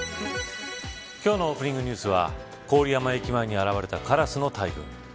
今日のオープニングニュースは郡山駅前に現れたカラスの大群。